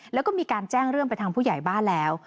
แล้วก็มีการแจ้งเรื่องไปทางผู้ใหญ่บ้านแล้ว